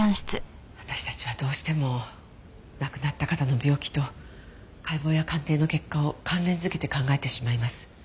私たちはどうしても亡くなった方の病気と解剖や鑑定の結果を関連付けて考えてしまいます。